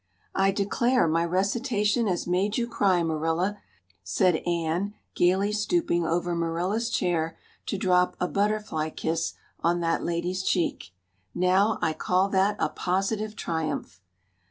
"I declare, my recitation has made you cry, Marilla," said Anne gaily stooping over Marilla's chair to drop a butterfly kiss on that lady's cheek. "Now, I call that a positive triumph."